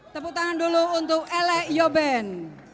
tepuk tangan dulu untuk elek yoben